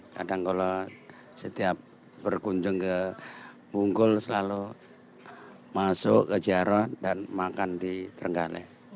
kadang kalau setiap berkunjung ke bungkul selalu masuk ke jaron dan makan di trenggale